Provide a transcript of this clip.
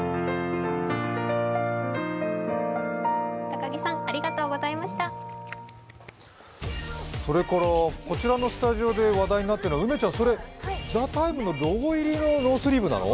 高木さん、ありがとうございましたこちらのスタジオで話題になっているのは、梅ちゃん、「ＴＨＥＴＩＭＥ，」のロゴ入りのノースリーブなの？